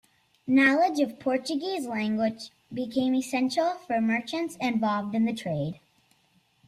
Knowledge of Portuguese language became essential for merchants involved in the trade.